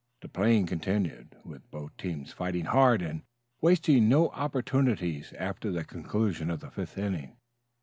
The playing continued, with both teams fighting hard and wasting no opportunities after the conclusion of the fifth inning.